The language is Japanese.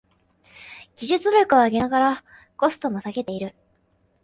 技術力を上げながらコストも下げてる